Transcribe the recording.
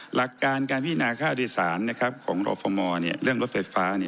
หลักการการพินาค่าโดยสารของรฟมเรื่องรถไฟฟ้า